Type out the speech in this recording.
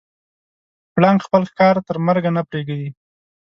پړانګ خپل ښکار تر مرګه نه پرېږدي.